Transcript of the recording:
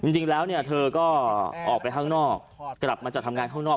จริงแล้วเนี่ยเธอก็ออกไปข้างนอกกลับมาจากทำงานข้างนอก